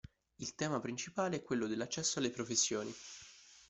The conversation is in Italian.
Il tema principale è quello dell’accesso alle professioni.